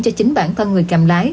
cho chính bản thân người cầm lái